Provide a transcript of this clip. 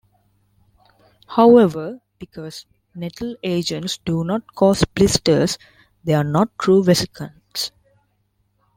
However, because nettle agents do not cause blisters, they are not true vesicants.